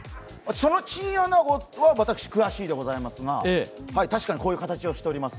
そのチンアナゴは私、詳しいでございますが、確かに、こういう形をしております